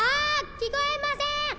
聞こえません！